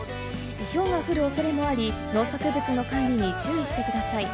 ひょうの降る恐れもあり、農作物の管理に注意してください。